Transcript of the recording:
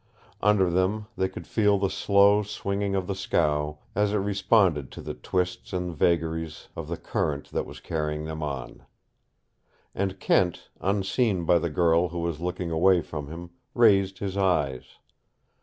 Under them they could feel the slow swinging of the scow as it responded to the twists and vagaries of the current that was carrying them on. And Kent, unseen by the girl who was looking away from him, raised his eyes.